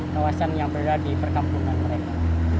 kawasan yang berada di perkampungan mereka